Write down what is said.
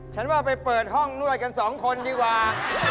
ฉันว่าไปเปิดห้องนวดกันสองคนดีกว่า